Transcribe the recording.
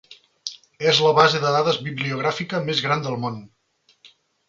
És la base de dades bibliogràfica més gran del món.